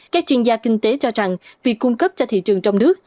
các chuyên gia kinh tế cho rằng việc cung cấp cho thị trường trong nước